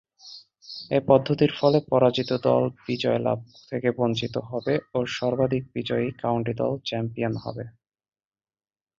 এ পদ্ধতির ফলে পরাজিত দল বিজয় লাভ থেকে বঞ্চিত হবে ও সর্বাধিক বিজয়ী কাউন্টি দল চ্যাম্পিয়ন হবে।